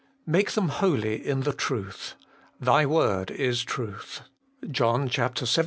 'Make them holy in the Truth: Thy word is Truth,' JOHN xvii.